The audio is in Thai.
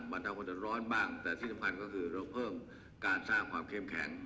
มันทำความเดือดร้อนบ้างแต่ที่สำคัญก็คือเราเพิ่มการสร้างความเข้มแข็ง